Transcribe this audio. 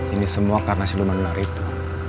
ini semua karena senuman ular itu